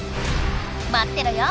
まってろよ！